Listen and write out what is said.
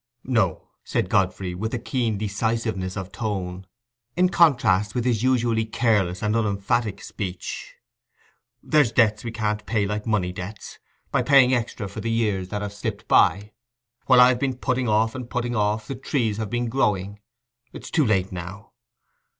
"No," said Godfrey, with a keen decisiveness of tone, in contrast with his usually careless and unemphatic speech—"there's debts we can't pay like money debts, by paying extra for the years that have slipped by. While I've been putting off and putting off, the trees have been growing—it's too late now.